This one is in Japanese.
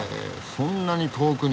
そんなに遠くに？